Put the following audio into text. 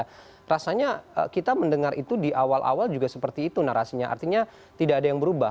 nah rasanya kita mendengar itu di awal awal juga seperti itu narasinya artinya tidak ada yang berubah